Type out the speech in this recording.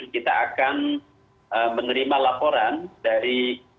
kita akan menerima laporan dari